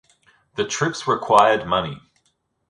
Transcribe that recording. The trips required money.